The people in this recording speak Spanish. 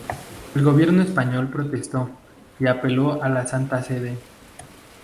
El gobierno español protestó y apeló a la Santa Sede.